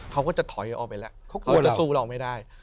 เขาก็จะถอยออกไปแล้วเขากลัวจะสู้เราไม่ได้